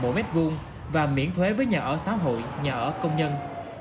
mỗi mét vuông và miễn thuế với nhà ở xã hội nhà ở công nhân